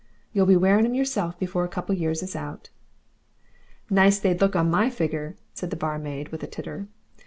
You'll be wearing 'em yourself before a couple of years is out." "Nice they'd look on my figger," said the barmaid, with a titter.